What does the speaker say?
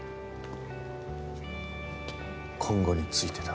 今後についてだ。